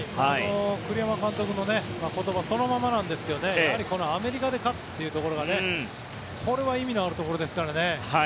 栗山監督の言葉そのままなんですけどやはりアメリカで勝つというところがこれは意味のあるところですからね